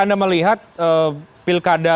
anda melihat pilkada